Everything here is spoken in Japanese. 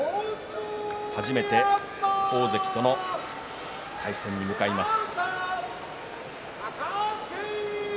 初めて大関との対戦に向かいます。